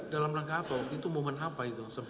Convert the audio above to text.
dalam rangka apa itu momen apa itu